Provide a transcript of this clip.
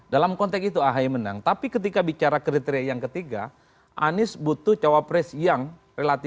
dalam konteks itu ahy menang tapi ketika bicara kriteria yang ketiga anies butuh cawapres yang relatif